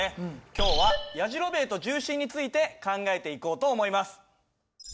今日はやじろべえと重心について考えていこうと思います。